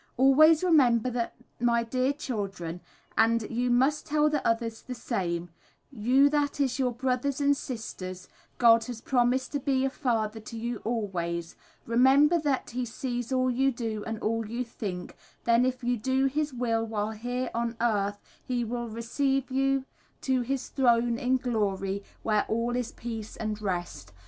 Always remember that my Dear Children, and you must tell the others the same, you that is your brothers and sisters God has promised to be a father to you all ways, remember that he sees all you do and all you think, then if you do his will while here on earth he will receive you to his throne in glory where all is peace and rest.